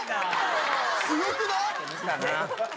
強くない？